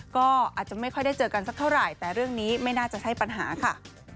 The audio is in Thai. ก็อาจจะไม่ค่อยได้เจอกันสักเท่าไหร่แต่เรื่องนี้ไม่น่าจะใช่ปัญหาค่ะ